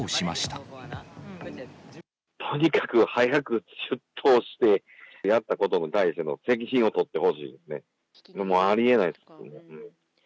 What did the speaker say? とにかく早く出頭して、やったことに対しての責任を取ってほしいですね。